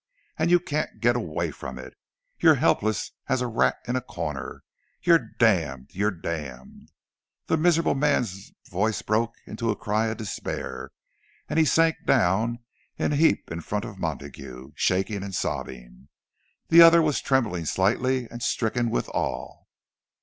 And you can't get away from it—you're helpless as a rat in a corner—you're damned—you're damned!" The miserable man's voice broke in a cry of despair, and he sank down in a heap in front of Montague, shaking and sobbing. The other was trembling slightly, and stricken with awe.